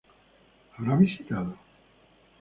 ¿Habrá visitado?